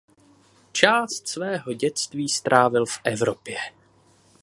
Část svého dětství strávil v Evropě.